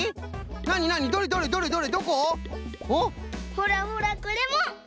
ほらほらこれも！